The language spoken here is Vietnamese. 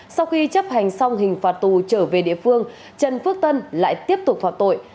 sau khi chấp hành xong hình phạt tù trở về địa phương trần phước tân lại tiếp tục phạm tội